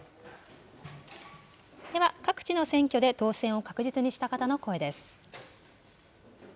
では、各地の選挙で当選を確実にした方の声です。